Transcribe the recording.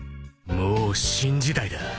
もう新時代だ。